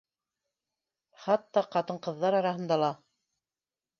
Хатта ҡатын-ҡыҙҙар араһында ла